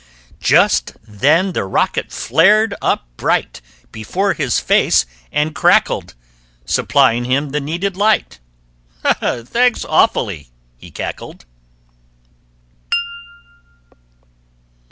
Just then the rocket flared up bright Before his face and crackled, Supplying him the needed light "Thanks, awfully," he cackled.